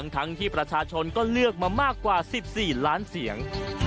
ทั้งที่ประชาชนก็เลือกมามากกว่า๑๔ล้านเสียง